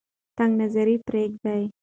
تنگ نظري پریږدئ.